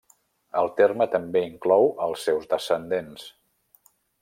El terme també inclou els seus descendents.